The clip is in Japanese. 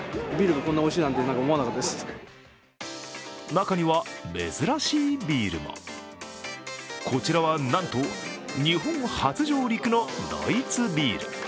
中には珍しいビールもこちらは、なんと日本初上陸のドイツビール。